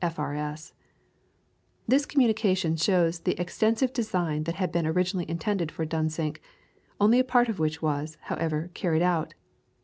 A., F.R.S. This communication shows the extensive design that had been originally intended for Dunsink, only a part of which was, however, carried out.